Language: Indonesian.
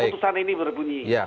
putusan ini berbunyi